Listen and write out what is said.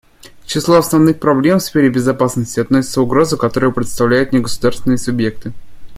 К числу основных проблем в сфере безопасности относится угроза, которую представляют негосударственные субъекты.